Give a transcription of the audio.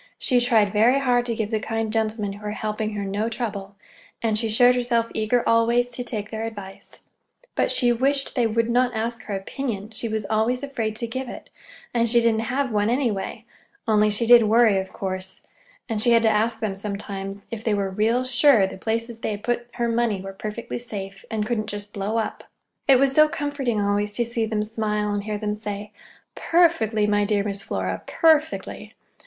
She tried very hard to give the kind gentlemen who were helping her no trouble, and she showed herself eager always to take their advice. But she wished they would not ask her opinion; she was always afraid to give it, and she didn't have one, anyway; only she did worry, of course, and she had to ask them sometimes if they were real sure the places they had put her money were perfectly safe, and just couldn't blow up. It was so comforting always to see them smile, and hear them say: "Perfectly, my dear Miss Flora, perfectly!